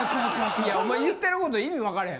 いやお前言ってること意味わかれへん。